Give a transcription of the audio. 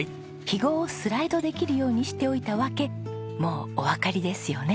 ひごをスライドできるようにしておいたわけもうおわかりですよね？